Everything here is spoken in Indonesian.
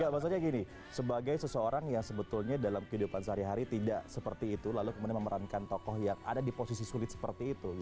maksudnya gini sebagai seseorang yang sebetulnya dalam kehidupan sehari hari tidak seperti itu lalu kemudian memerankan tokoh yang ada di posisi sulit seperti itu